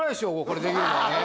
これできるのはね。